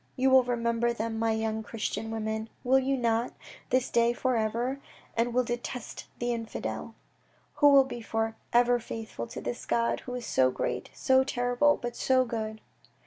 You will remember them, my young Christian women, will you not, this day for ever, and will detest the infidel. You will be for ever faithful to this God who is so great, so terrible, but so good